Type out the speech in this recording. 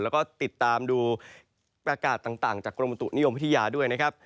แล้วก็ติดตามดูประกาศต่างจากกรมบุตุนิยมวิทยาด้วยนะครับ